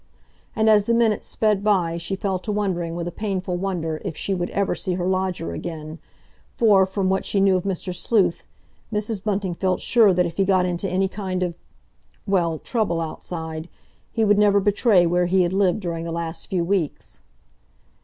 And as the minutes sped by she fell to wondering with a painful wonder if she would ever see her lodger again, for, from what she knew of Mr. Sleuth, Mrs. Bunting felt sure that if he got into any kind of—well, trouble outside, he would never betray where he had lived during the last few weeks.